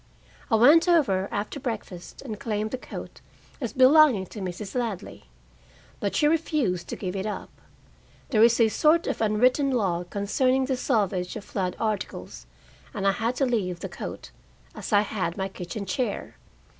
I went over after breakfast and claimed the coat as belonging to Mrs. Ladley. But she refused to give it up. There is a sort of unwritten law concerning the salvage of flood articles, and I had to leave the coat, as I had my kitchen chair.